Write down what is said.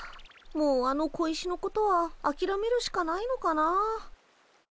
もうあの小石のことはあきらめるしかないのかなあ。